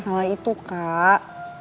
aku bisa sendiri ya kak